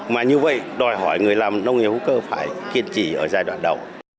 mà như vậy đòi hỏi người làm nông nghiệp hữu cơ phải kiên trì ở giai đoạn đầu